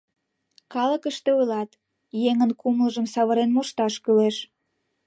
Калыкыште ойлат: еҥын кумылжым савырен мошташ кӱлеш.